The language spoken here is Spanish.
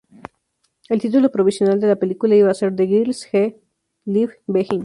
El título provisional de la película iba a ser "The Girls He Left Behind".